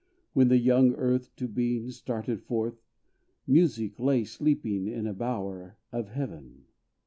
When the young earth to being started forth, Music lay sleeping in a bower of heaven.